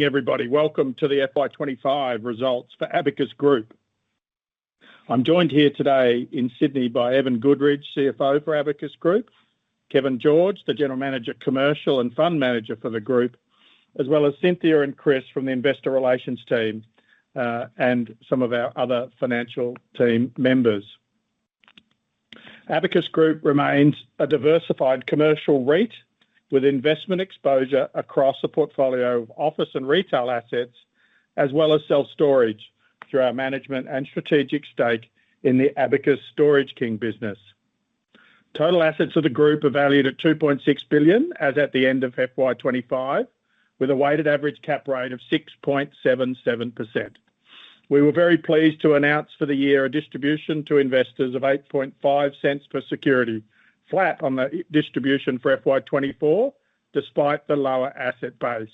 Everybody, welcome to the FY 2025 results for Abacus Group. I'm joined here today in Sydney by Evan Goodridge, CFO for Abacus Group, Kevin George, the General Manager, Commercial and Fund Manager for the group, as well as Cynthia and Chris from the Investor Relations team, and some of our other financial team members. Abacus Group remains a diversified commercial REIT with investment exposure across the portfolio of office and retail assets, as well as self-storage through our management and strategic stake in the Abacus Storage King business. Total assets of the group are valued at 2.6 billion as at the end of FY 2025, with a weighted average cap rate of 6.77%. We were very pleased to announce for the year a distribution to investors of 0.085 per security, flat on the distribution for FY 2024, despite the lower asset base.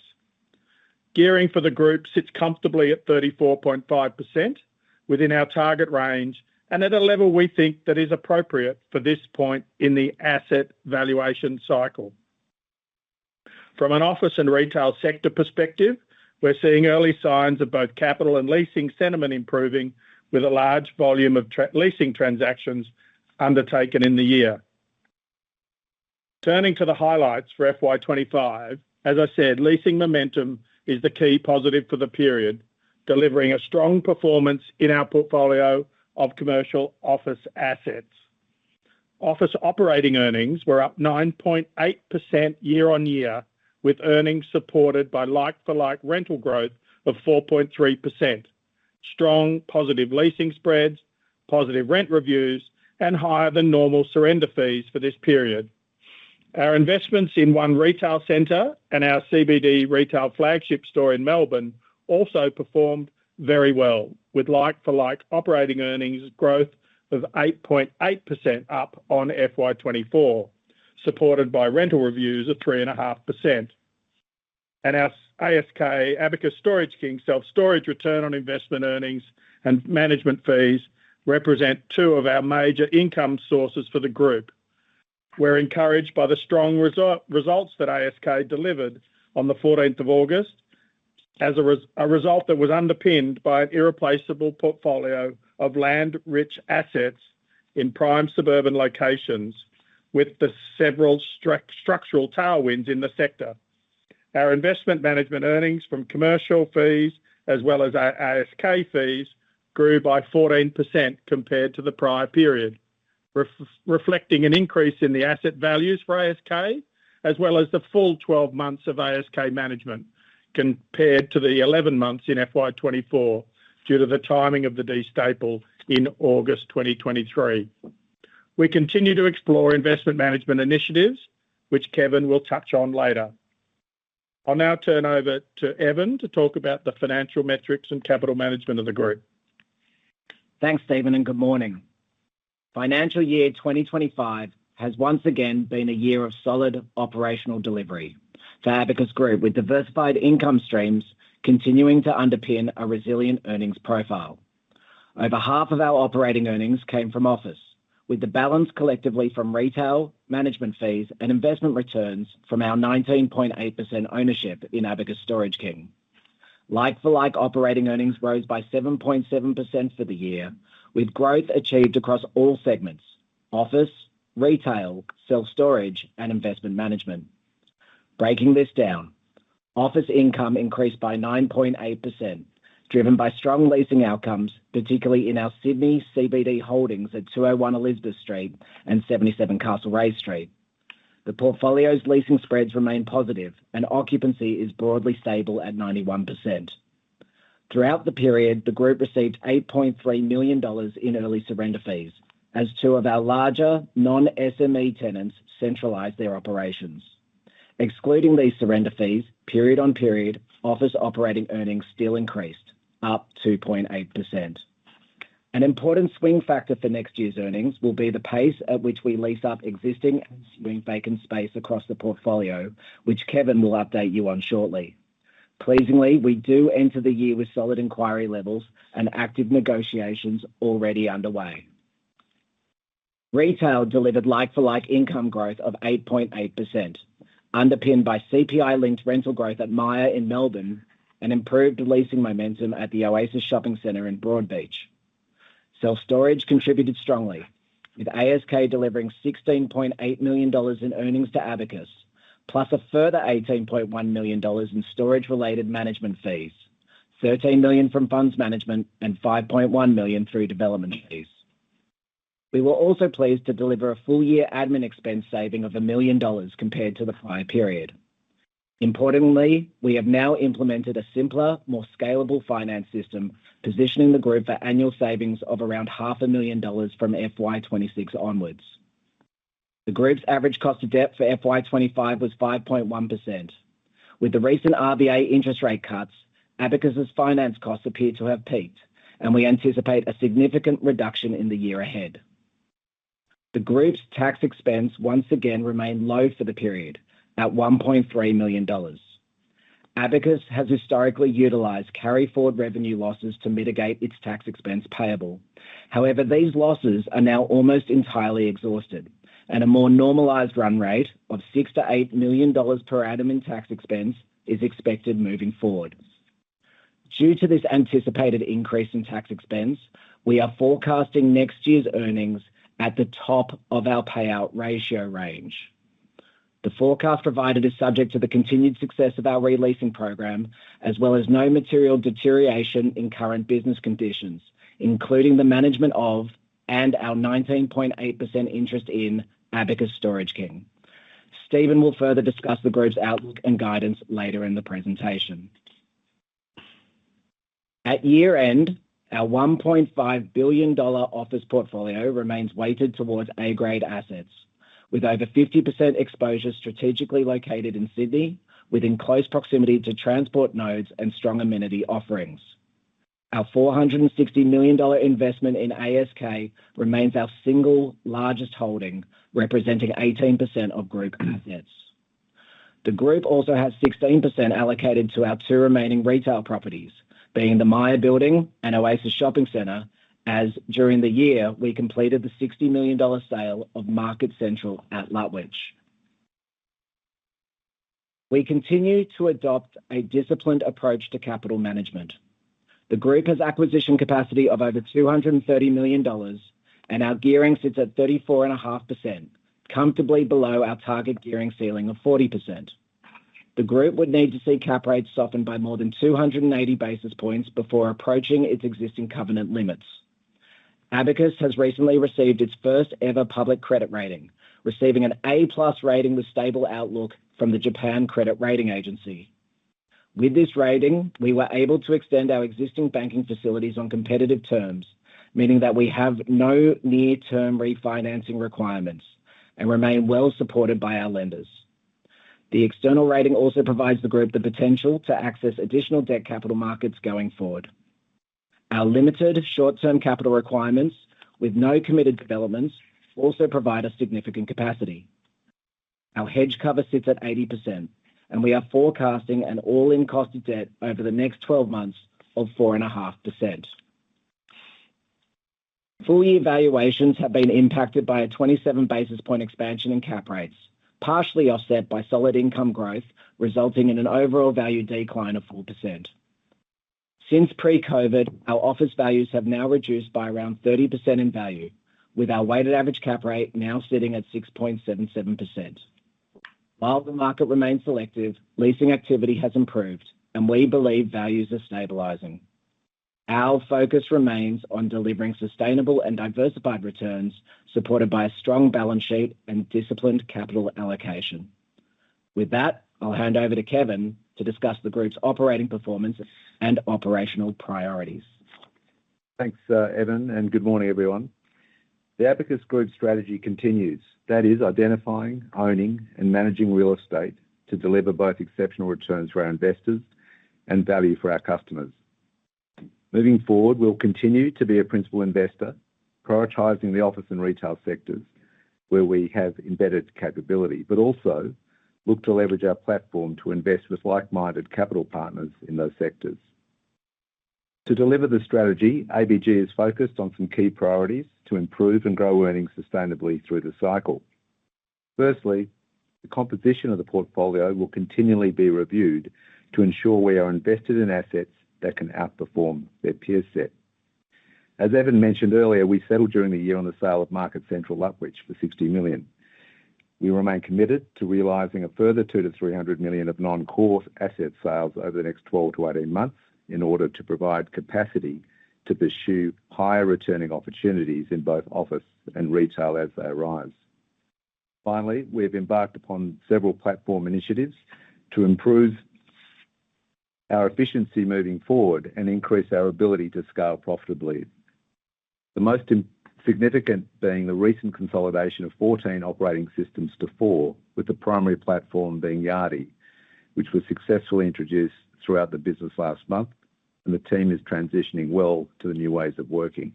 Gearing for the group sits comfortably at 34.5%, within our target range and at a level we think that is appropriate for this point in the asset valuation cycle. From an office and retail sector perspective, we're seeing early signs of both capital and leasing sentiment improving, with a large volume of leasing transactions undertaken in the year. Turning to the highlights for FY 2025, as I said, leasing momentum is the key positive for the period, delivering a strong performance in our portfolio of commercial office assets. Office operating earnings were up 9.8% year-on-year, with earnings supported by like-for-like rental growth of 4.3%. Strong positive leasing spreads, positive rent reviews, and higher than normal surrender fees for this period. Our investments in One Retail Centre and our CBD retail flagship store in Melbourne also performed very well, with like-for-like operating earnings growth of 8.8% up on FY 2024, supported by rental reviews of 3.5%. Our ASK, Abacus Storage King self-storage return on investment earnings and management fees represent two of our major income sources for the group. We're encouraged by the strong results that ASK delivered on the 14th of August, as a result that was underpinned by an irreplaceable portfolio of land-rich assets in prime suburban locations, with the several structural tailwinds in the sector. Our investment management earnings from commercial fees, as well as our ASK fees, grew by 14% compared to the prior period, reflecting an increase in the asset values for ASK, as well as the full 12 months of ASK management compared to the 11 months in FY 2024, due to the timing of the destaple in August 2023. We continue to explore investment management initiatives, which Kevin will touch on later. I'll now turn over to Evan to talk about the financial metrics and capital management of the group. Thanks, Steven, and good morning. Financial year 2025 has once again been a year of solid operational delivery for Abacus Group, with diversified income streams continuing to underpin a resilient earnings profile. Over half of our operating earnings came from office, with the balance collectively from retail, management fees, and investment returns from our 19.8% ownership in Abacus Storage King. Like-for-like operating earnings rose by 7.7% for the year, with growth achieved across all segments: office, retail, self-storage, and investment management. Breaking this down, office income increased by 9.8%, driven by strong leasing outcomes, particularly in our Sydney CBD holdings at 201 Elizabeth Street and 77 Castlereagh Street. The portfolio's leasing spreads remain positive, and occupancy is broadly stable at 91%. Throughout the period, the group received 8.3 million dollars in early surrender fees, as two of our larger non-SME tenants centralized their operations. Excluding these surrender fees, period-on-period, office operating earnings still increased, up 2.8%. An important swing factor for next year's earnings will be the pace at which we lease up existing and swing vacant space across the portfolio, which Kevin will update you on shortly. Pleasingly, we do enter the year with solid inquiry levels and active negotiations already underway. Retail delivered like-for-like income growth of 8.8%, underpinned by CPI-linked rental growth at Maya in Melbourne and improved leasing momentum at the Oasis Shopping Centre in Broadbeach. Self-storage contributed strongly, with ASK delivering 16.8 million dollars in earnings to Abacus, plus a further 18.1 million dollars in storage-related management fees, 13 million from funds management, and 5.1 million through development fees. We were also pleased to deliver a full-year admin expense saving of 1 million dollars compared to the prior period. Importantly, we have now implemented a simpler, more scalable finance system, positioning the group for annual savings of around 500,000 dollars from FY 2026 onwards. The group's average cost of debt for FY 2025 was 5.1%. With the recent RBA interest rate cuts, Abacus's finance costs appear to have peaked, and we anticipate a significant reduction in the year ahead. The group's tax expense once again remained low for the period, at 1.3 million dollars. Abacus has historically utilized carry-forward revenue losses to mitigate its tax expense payable. However, these losses are now almost entirely exhausted, and a more normalized run rate of 6-8 million dollars per admin tax expense is expected moving forward. Due to this anticipated increase in tax expense, we are forecasting next year's earnings at the top of our payout ratio range. The forecast provided is subject to the continued success of our re-leasing program, as well as no material deterioration in current business conditions, including the management of and our 19.8% interest in Abacus Storage King. Steven will further discuss the group's outlook and guidance later in the presentation. At year-end, our 1.5 billion dollar office portfolio remains weighted towards A-grade assets, with over 50% exposure strategically located in Sydney, within close proximity to transport nodes and strong amenity offerings. Our 460 million dollar investment in ASK remains our single largest holding, representing 18% of group assets. The group also has 16% allocated to our two remaining retail properties, being the Myer Building and Oasis Shopping Centre, as during the year we completed the 60 million dollar sale of Market Central Lutwyche. We continue to adopt a disciplined approach to capital management. The group has acquisition capacity of over 230 million dollars, and our gearing sits at 34.5%, comfortably below our target gearing ceiling of 40%. The group would need to see cap rates soften by more than 280 basis points before approaching its existing covenant limits. Abacus has recently received its first-ever public credit rating, receiving an A+ rating with stable outlook from the Japan Credit Rating Agency. With this rating, we were able to extend our existing banking facilities on competitive terms, meaning that we have no near-term refinancing requirements and remain well supported by our lenders. The external rating also provides the group the potential to access additional debt capital markets going forward. Our limited short-term capital requirements, with no committed developments, also provide us significant capacity. Our hedge cover sits at 80%, and we are forecasting an all-in cost of debt over the next 12 months of 4.5%. Full-year valuations have been impacted by a 27 basis point expansion in cap rates, partially offset by solid income growth, resulting in an overall value decline of 4%. Since pre-COVID, our office values have now reduced by around 30% in value, with our weighted average cap rate now sitting at 6.77%. While the market remains selective, leasing activity has improved, and we believe values are stabilizing. Our focus remains on delivering sustainable and diversified returns, supported by a strong balance sheet and disciplined capital allocation. With that, I'll hand over to Kevin to discuss the group's operating performance and operational priorities. Thanks, Evan, and good morning, everyone. The Abacus Group strategy continues, that is, identifying, owning, and managing real estate to deliver both exceptional returns for our investors and value for our customers. Moving forward, we'll continue to be a principal investor, prioritizing the office and retail sectors, where we have embedded capability, but also look to leverage our platform to invest with like-minded capital partners in those sectors. To deliver the strategy, APG is focused on some key priorities to improve and grow earnings sustainably through the cycle. Firstly, the composition of the portfolio will continually be reviewed to ensure we are invested in assets that can outperform their peer set. As Evan mentioned earlier, we settled during the year on the sale of Market Central Lutwyche for 60 million. We remain committed to realizing a further 200-300 million of non-core asset sales over the next 12-18 months in order to provide capacity to pursue higher returning opportunities in both office and retail as they arise. Finally, we have embarked upon several platform initiatives to improve our efficiency moving forward and increase our ability to scale profitably. The most significant being the recent consolidation of 14 operating systems to 4, with the primary platform being Yardi, which was successfully introduced throughout the business last month, and the team is transitioning well to the new ways of working.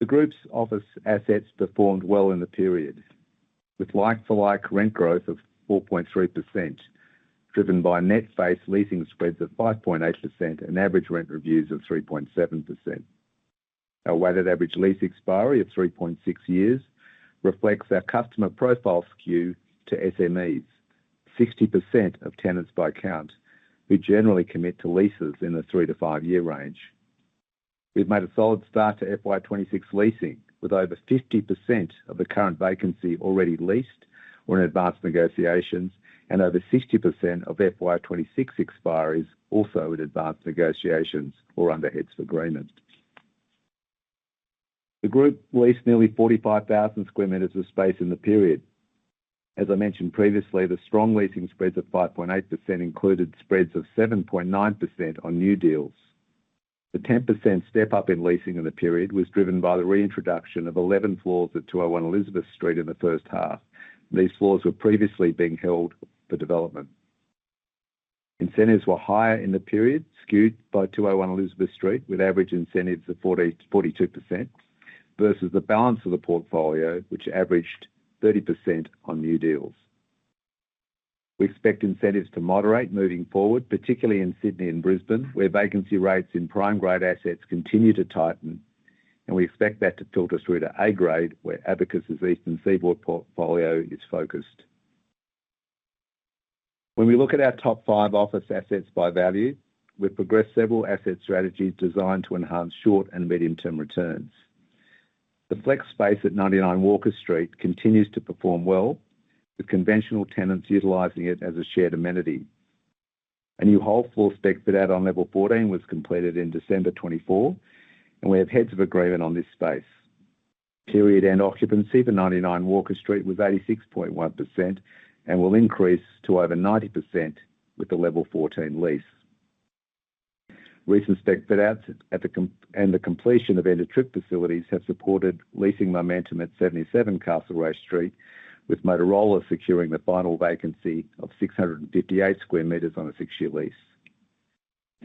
The group's office assets performed well in the period, with like-for-like rent growth of 4.3%, driven by net face leasing spreads of 5.8% and average rent reviews of 3.7%. Our weighted average lease expiry of 3.6 years reflects our customer profile skew to SMEs, 60% of tenants by count, who generally commit to leases in the three to five-year range. We've made a solid start to FY 2026 leasing, with over 50% of the current vacancy already leased or in advanced negotiations, and over 60% of FY 2026 expiry also in advanced negotiations or under heads for agreements. The group leased nearly 45,000 square meters of space in the period. As I mentioned previously, the strong leasing spreads of 5.8% included spreads of 7.9% on new deals. The 10% step up in leasing in the period was driven by the reintroduction of 11 floors at 201 Elizabeth Street in the first half. These floors were previously being held for development. Incentives were higher in the period, skewed by 201 Elizabeth Street, with average incentives of 42% versus the balance of the portfolio, which averaged 30% on new deals. We expect incentives to moderate moving forward, particularly in Sydney and Brisbane, where vacancy rates in prime-grade assets continue to tighten, and we expect that to filter through to A grade, where Abacus' East and Seaboard portfolio is focused. When we look at our top five office assets by value, we've progressed several asset strategies designed to enhance short and medium-term returns. The flex space at 99 Walker Street continues to perform well, with conventional tenants utilizing it as a shared amenity. A new whole floor spec fit-out on Level 14 was completed in December 2024, and we have heads of agreement on this space. Period end occupancy for 99 Walker Street was 86.1% and will increase to over 90% with the Level 14 lease. Recent spec fit-outs and the completion of end-of-trip facilities have supported leasing momentum at 77 Castlereagh Street, with Motorola securing the final vacancy of 658 square meters on a six-year lease.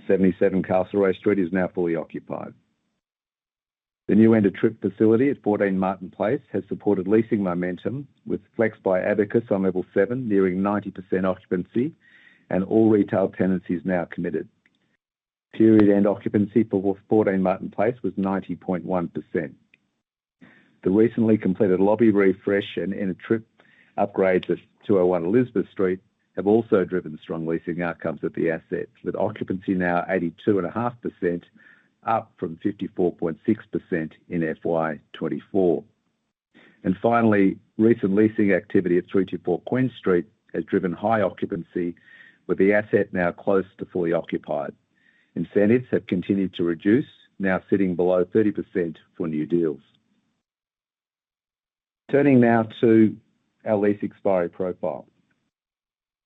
77 Castlereagh Street is now fully occupied. The new end-of-trip facility at 14 Martin Place has supported leasing momentum, with flex by Abacus on Level 7 nearing 90% occupancy and all retail tenancies now committed. Period end occupancy for 14 Martin Place was 90.1%. The recently completed lobby refresh and end-of-trip upgrades at 201 Elizabeth Street have also driven strong leasing outcomes at the asset, with occupancy now 82.5%, up from 54.6% in FY 2024. Finally, recent leasing activity at 324 Queen Street has driven high occupancy, with the asset now close to fully occupied. Incentives have continued to reduce, now sitting below 30% for new deals. Turning now to our lease expiry profile.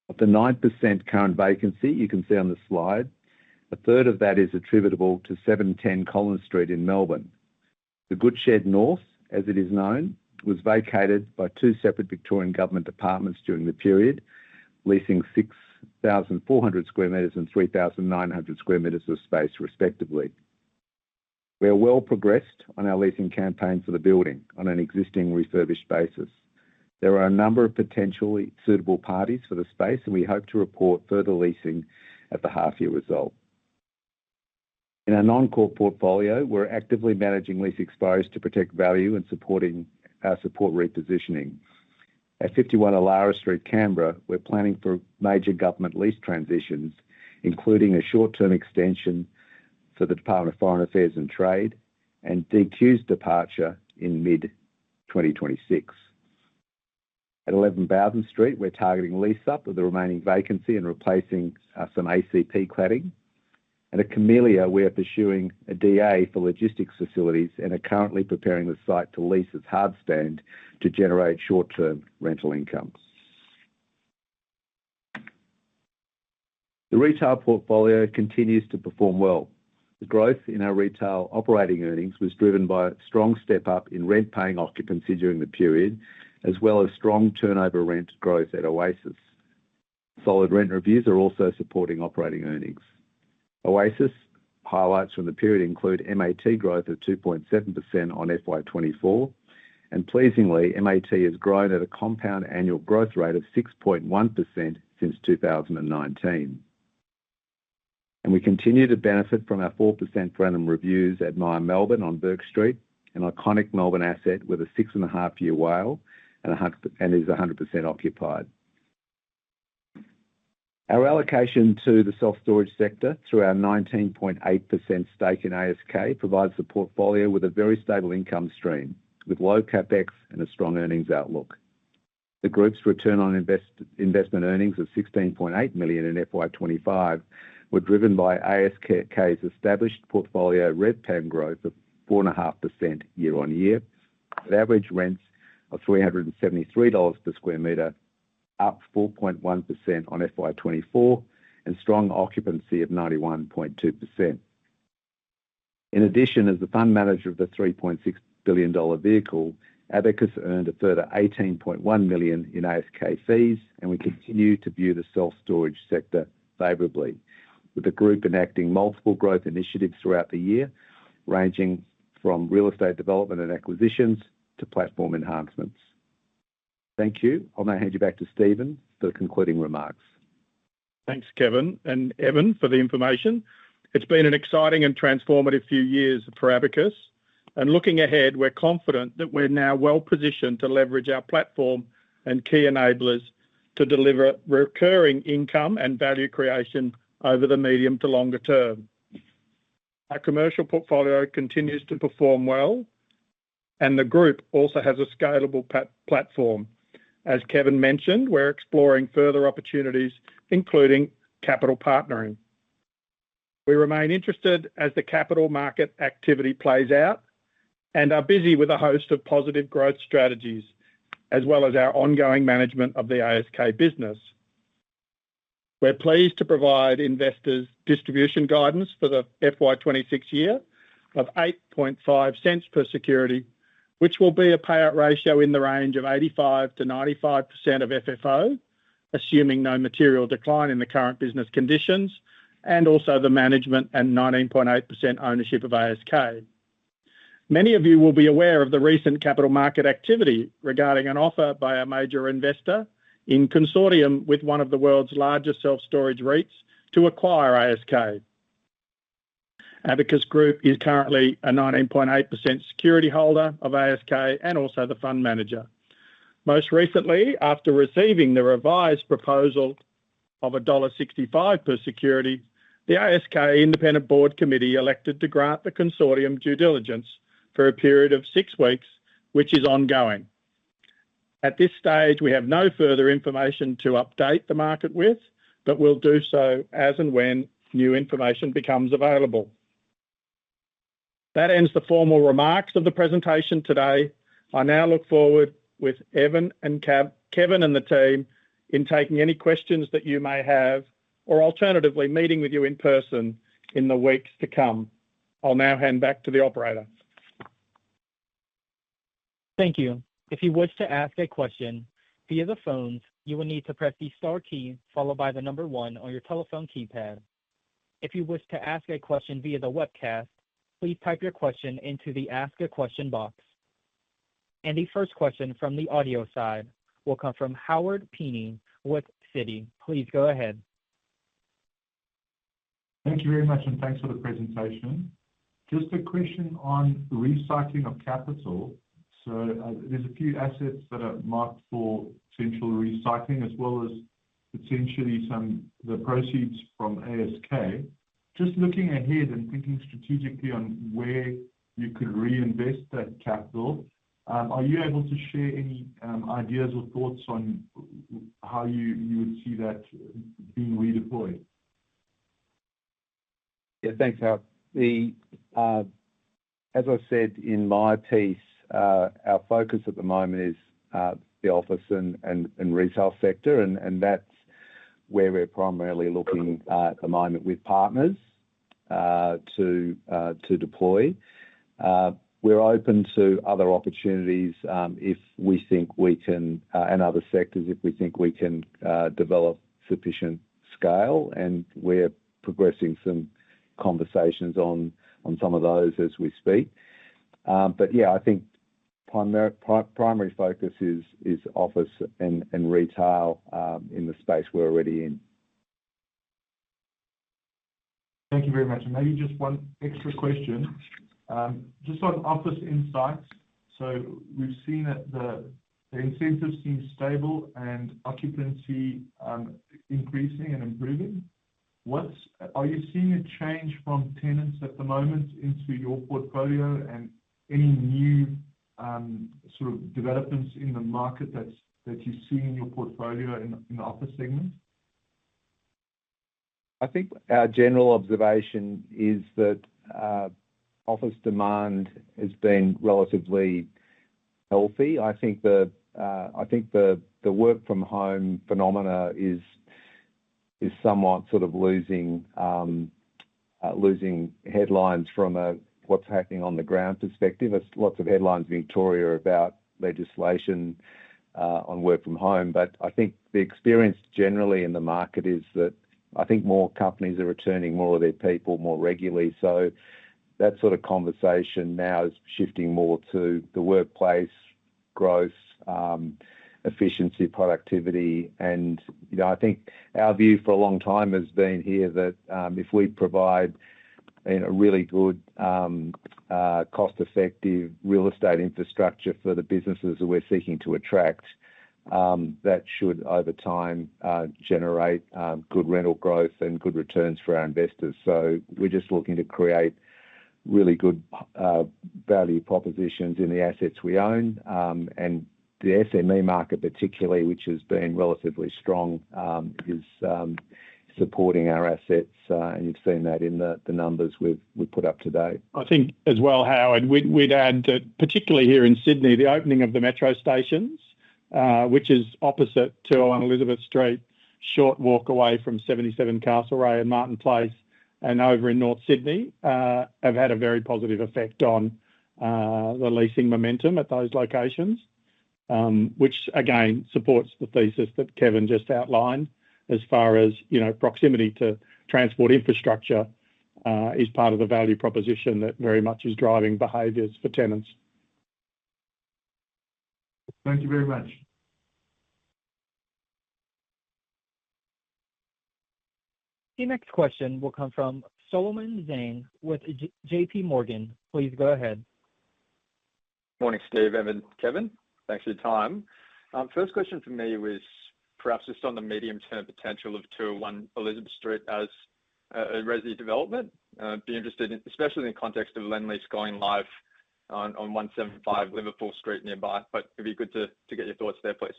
Of the 9% current vacancy you can see on the slide, a third of that is attributable to 710 Collins Street in Melbourne. The Goodshed North, as it is known, was vacated by two separate Victorian government departments during the period, leasing 6,400 sqm and 3,900 sqm of space respectively. We are well progressed on our leasing campaign for the building on an existing refurbished basis. There are a number of potentially suitable parties for the space, and we hope to report further leasing at the half-year result. In our non-core portfolio, we're actively managing lease expos to protect value and supporting our support repositioning. At 51 Alara Street, Canberra, we're planning for major government lease transitions, including a short-term extension for the Department of Foreign Affairs and Trade and DQ's departure in mid-2026. At 11 Bowden Street, we're targeting lease up of the remaining vacancy and replacing some ACP cladding. At Camelia, we are pursuing a DA for logistics facilities and are currently preparing the site to lease as hardstand to generate short-term rental income. The retail portfolio continues to perform well. The growth in our retail operating earnings was driven by a strong step up in rent-paying occupancy during the period, as well as strong turnover rent growth at Oasis. Solid rent reviews are also supporting operating earnings. Oasis highlights from the period include MAT growth of 2.7% on FY 2024, and, pleasingly, MAT has grown at a compound annual growth rate of 6.1% since 2019. We continue to benefit from our 4% per annum reviews at Myer Melbourne on Bourke Street, an iconic Melbourne asset with a six and a half year WALE and is 100% occupied. Our allocation to the self-storage sector through our 19.8% stake in ASK provides the portfolio with a very stable income stream, with low CapEx and a strong earnings outlook. The group's return on investment earnings of 16.8 million in FY 2025 were driven by ASK's established portfolio REP/PEM growth of 4.5% year-on-year, with average rents of 373 dollars per square meter, up 4.1% on FY 2024, and strong occupancy of 91.2%. In addition, as the fund manager of the 3.6 billion dollar vehicle, Abacus Group earned a further 18.1 million in ASK fees, and we continue to view the self-storage sector favorably, with the group enacting multiple growth initiatives throughout the year, ranging from real estate development and acquisitions to platform enhancements. Thank you. I'll now hand you back to Steven for the concluding remarks. Thanks, Kevin and Evan, for the information. It's been an exciting and transformative few years for Abacus, and looking ahead, we're confident that we're now well positioned to leverage our platform and key enablers to deliver recurring income and value creation over the medium to longer term. Our commercial portfolio continues to perform well, and the group also has a scalable platform. As Kevin mentioned, we're exploring further opportunities, including capital partnering. We remain interested as the capital market activity plays out and are busy with a host of positive growth strategies, as well as our ongoing management of the ASK business. We're pleased to provide investors distribution guidance for the FY 2026 year of 0.085 per security, which will be a payout ratio in the range of 85%-95% of FFO, assuming no material decline in the current business conditions, and also the management and 19.8% ownership of ASK. Many of you will be aware of the recent capital market activity regarding an offer by a major investor in consortium with one of the world's largest self-storage REITs to acquire ASK. Abacus Group is currently a 19.8% security holder of ASK and also the fund manager. Most recently, after receiving the revised proposal of dollar 1.65 per security, the ASK Independent Board Committee elected to grant the consortium due diligence for a period of six weeks, which is ongoing. At this stage, we have no further information to update the market with, but we'll do so as and when new information becomes available. That ends the formal remarks of the presentation today. I now look forward with Evan and Kevin and the team in taking any questions that you may have, or alternatively meeting with you in person in the weeks to come. I'll now hand back to the operator. Thank you. If you wish to ask a question via the phones, you will need to press the star key followed by the number one on your telephone keypad. If you wish to ask a question via the webcast, please type your question into the ask a question box. The first question from the audio side will come from Howard Peeny with Citi. Please go ahead. Thank you very much, and thanks for the presentation. Just a question on recycling of capital. There are a few assets that are marked for potential recycling, as well as potentially some of the proceeds from ASK. Just looking ahead and thinking strategically on where you could reinvest that capital, are you able to share any ideas or thoughts on how you would see that being redeployed? Yeah, thanks, Howard. As I said in my piece, our focus at the moment is the office and retail sector, and that's where we're primarily looking at the moment with partners to deploy. We're open to other opportunities if we think we can, and other sectors if we think we can develop sufficient scale. We're progressing some conversations on some of those as we speak. I think primary focus is office and retail in the space we're already in. Thank you very much. Maybe just one extra question. Just on office insights, we've seen that the incentives seem stable and occupancy increasing and improving. Are you seeing a change from tenants at the moment into your portfolio, and any new sort of developments in the market that you see in your portfolio in office segments? I think our general observation is that office demand has been relatively healthy. I think the work-from-home phenomena is somewhat sort of losing headlines from what's happening on the ground perspective. There are lots of headlines in Victoria about legislation on work-from-home, but I think the experience generally in the market is that more companies are returning more of their people more regularly. That sort of conversation now is shifting more to the workplace growth, efficiency, productivity, and you know I think our view for a long time has been here that if we provide a really good, cost-effective real estate infrastructure for the businesses that we're seeking to attract, that should over time generate good rental growth and good returns for our investors. We are just looking to create really good value propositions in the assets we own, and the SME market particularly, which has been relatively strong, is supporting our assets, and you've seen that in the numbers we've put up today. I think as well, Howard, we'd add that particularly here in Sydney, the opening of the metro stations, which is opposite 201 Elizabeth Street, a short walk away from 77 Castlereagh and Martin Place, and over in North Sydney, have had a very positive effect on the leasing momentum at those locations, which again supports the thesis that Kevin just outlined as far as proximity to transport infrastructure is part of the value proposition that very much is driving behaviors for tenants. Thank you very much. Your next question will come from Solomon Zhang with JPMorgan. Please go ahead. Morning, Steven, Evan, Kevin. Thanks for your time. First question for me was perhaps just on the medium-term potential of 201 Elizabeth Street as a resident development. Be interested in, especially in the context of land lease going live on 175 Liverpool Street nearby. It'd be good to get your thoughts there, please.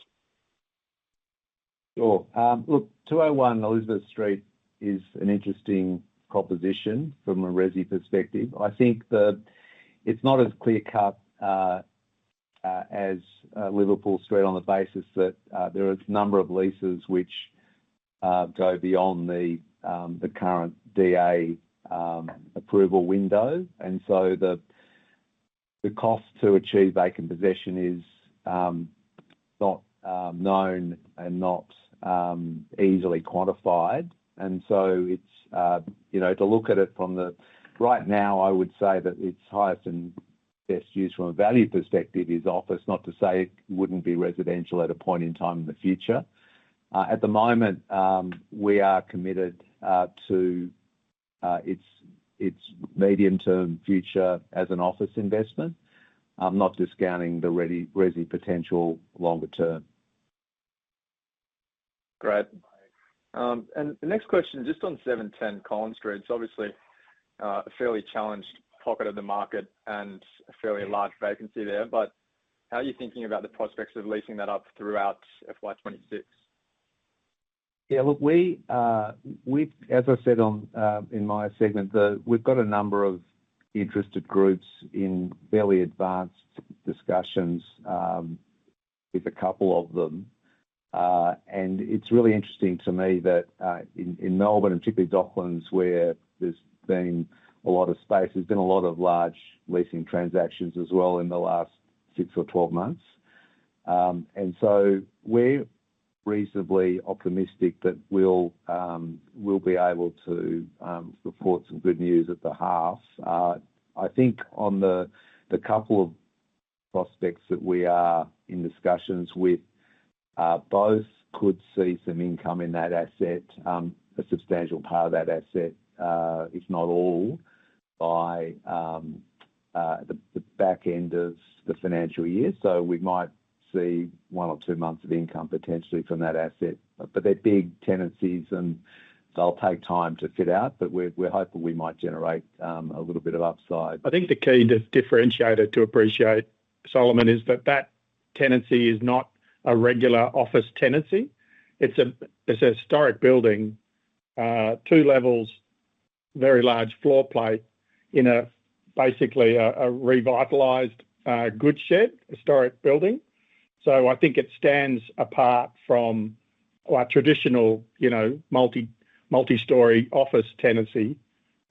Sure. Look, 201 Elizabeth Street is an interesting proposition from a resi perspective. I think it's not as clear-cut as Liverpool Street on the basis that there are a number of leases which go beyond the current DA approval window. The cost to achieve vacant possession is not known and not easily quantified. It's, you know, to look at it from the right now, I would say that its highest and best use from a value perspective is office, not to say it wouldn't be residential at a point in time in the future. At the moment, we are committed to its medium-term future as an office investment, not discounting the resi potential longer term. Great. The next question just on 710 Collins Street. It's obviously a fairly challenged pocket of the market and a fairly large vacancy there. How are you thinking about the prospects of leasing that up throughout FY 2026? Yeah, look, as I said in my segment, we've got a number of interested groups in fairly advanced discussions with a couple of them. It's really interesting to me that in Melbourne and particularly Docklands, where there's been a lot of space, there's been a lot of large leasing transactions as well in the last six months or 12 months. We're reasonably optimistic that we'll be able to report some good news at the house. I think on the couple of prospects that we are in discussions with, both could see some income in that asset, a substantial part of that asset, if not all, by the back end of the financial year. We might see one or two months of income potentially from that asset. They're big tenancies, and they'll take time to fit out. We're hoping we might generate a little bit of upside. I think the key differentiator to appreciate, Solomon, is that that tenancy is not a regular office tenancy. It's a historic building, two levels, very large floor plate in a basically a revitalized Goodshed historic building. I think it stands apart from our traditional, you know, multi-story office tenancy.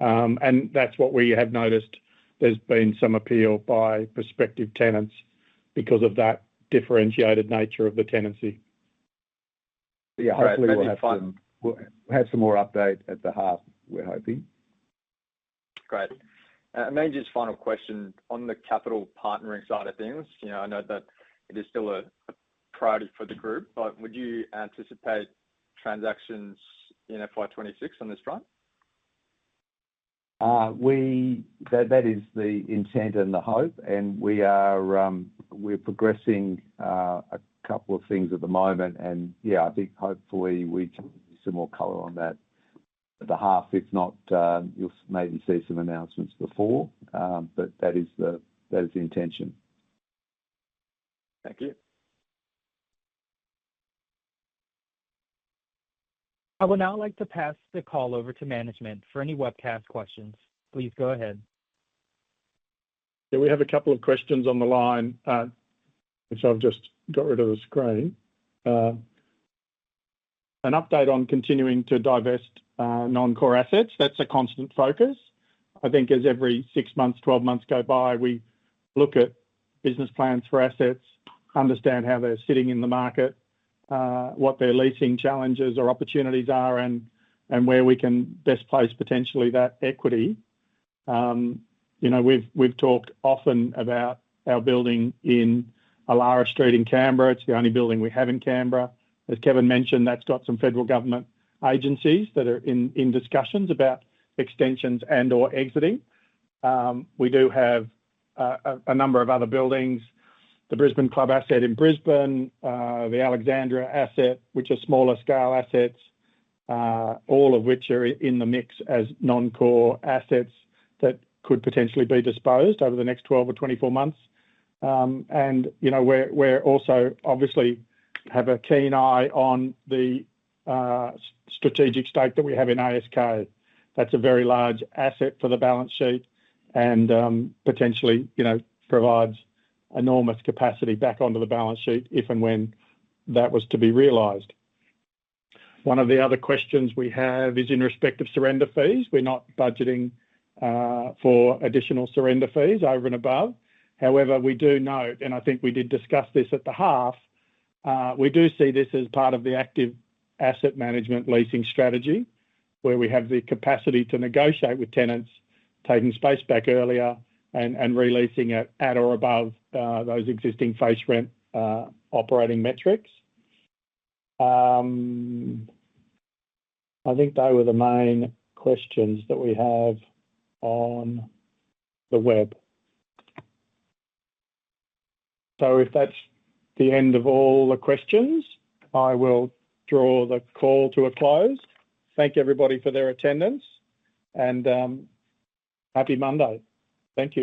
That's what we have noticed. There's been some appeal by prospective tenants because of that differentiated nature of the tenancy. Hopefully we'll have some more update at the house. We're hoping. Great. Maybe just final question on the capital partnering side of things. I know that it is still a priority for the group, but would you anticipate transactions in FY 2026 on this front? That is the intent and the hope. We are progressing a couple of things at the moment. I think hopefully we can see some more color on that at the house. If not, you'll maybe see some announcements before. That is the intention. Thank you. I would now like to pass the call over to management for any webcast questions. Please go ahead. Yeah, we have a couple of questions on the line, which I've just got rid of the screen. An update on continuing to divest non-core assets. That's a constant focus. I think as every six months, 12 months go by, we look at business plans for assets, understand how they're sitting in the market, what their leasing challenges or opportunities are, and where we can best place potentially that equity. You know, we've talked often about our building in Alara Street in Canberra. It's the only building we have in Canberra. As Kevin mentioned, that's got some federal government agencies that are in discussions about extensions and/or exiting. We do have a number of other buildings, the Brisbane Club asset in Brisbane, the Alexandra asset, which are smaller scale assets, all of which are in the mix as non-core assets that could potentially be disposed of over the next 12 or 24 months. You know, we also obviously have a keen eye on the strategic stake that we have in ASK. That's a very large asset for the balance sheet and potentially, you know, provides enormous capacity back onto the balance sheet if and when that was to be realized. One of the other questions we have is in respect of surrender fees. We're not budgeting for additional surrender fees over and above. However, we do note, and I think we did discuss this at the house. We do see this as part of the active asset management leasing strategy, where we have the capacity to negotiate with tenants, taking space back earlier and releasing it at or above those existing face rent operating metrics. I think those were the main questions that we have on the web. If that's the end of all the questions, I will draw the call to a close. Thank everybody for their attendance and happy Monday. Thank you.